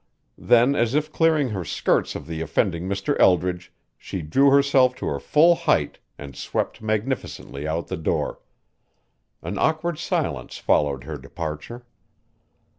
Then as if clearing her skirts of the offending Mr. Eldridge, she drew herself to her full height and swept magnificently out the door. An awkward silence followed her departure.